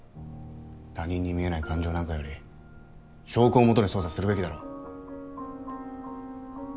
他人に見えない感情なんかより証拠をもとに捜査するべきだろ？